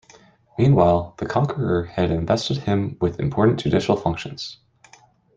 Meanwhile, the Conqueror had invested him with important judicial functions.